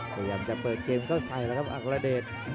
พยายามจะเปิดเกมเข้าใส่แล้วครับอัครเดช